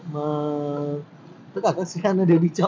mà tất cả các xe đều bị chậm